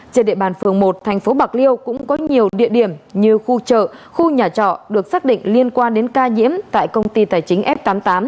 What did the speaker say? trên địa bàn phường một thành phố bạc liêu cũng có nhiều địa điểm như khu chợ khu nhà trọ được xác định liên quan đến ca nhiễm tại công ty tài chính f tám mươi tám